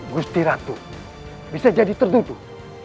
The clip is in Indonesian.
gusti ratu bisa jadi terdudu